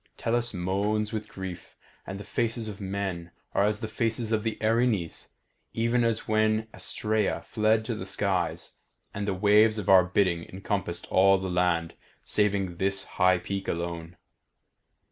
Tellus moans with grief, and the faces of men are as the faces of the Erinyes, even as when Astraea fled to the skies, and the waves of our bidding encompassed all the land saving this high peak alone.